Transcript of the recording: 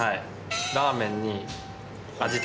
ラーメンに味玉。